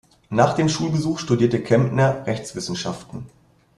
Nach dem Schulbesuch studierte Kempner Rechtswissenschaften.